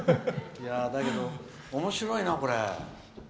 だけど、おもしろいな、これ。